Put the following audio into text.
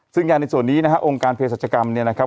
ซึ่งงานในส่วนนี้นะฮะองค์การเพศรัชกรรมเนี่ยนะครับ